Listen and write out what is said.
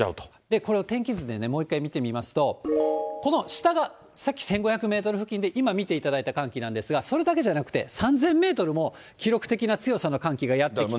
これを天気図でもう１回見てみますと、この下がさっき１５００メートル付近で今、見ていただいた寒気なんですが、それだけじゃなくて、３０００メートルも記録的な強さの寒気がやってきて。